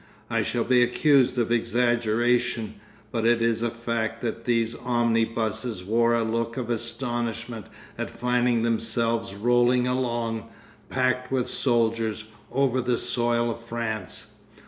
I shall be accused of exaggeration, but it is a fact that these omnibuses wore a look of astonishment at finding themselves rolling along, packed with soldiers, over the soil of France.